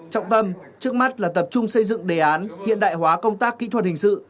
trọng tâm trước mắt là tập trung xây dựng đề án hiện đại hóa công tác kỹ thuật hình sự